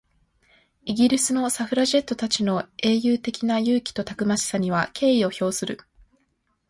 イギリスのサフラジェットたちの英雄的な勇気とたくましさには敬意を表する。